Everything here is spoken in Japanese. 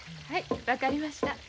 はい分かりました。